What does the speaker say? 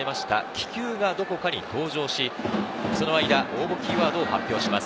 気球がどこかに登場し、その間、応募キーワードを発表します。